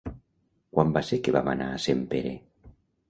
Quan va ser que vam anar a Sempere?